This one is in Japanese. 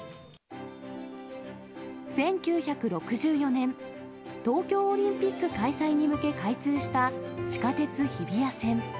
１９６４年、東京オリンピック開催に向け開通した、地下鉄日比谷線。